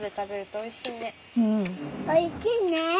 おいしいね。